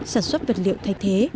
sản xuất vật liệu thay thế